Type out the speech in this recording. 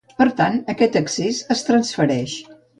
Per tant, aquest excés es transfereix.